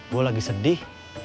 gue lagi sedih